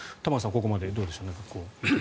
ここまででどうでしょう。